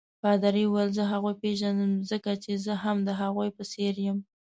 پادري وویل: زه هغوی پیژنم ځکه چې زه هم د هغوی په څېر یم.